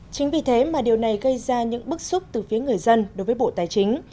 chính vì thế mà điều này gây ra những bức xúc từ phía người dân đối với bộ tài chính